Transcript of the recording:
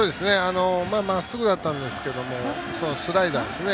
まっすぐだったんですがスライダーですね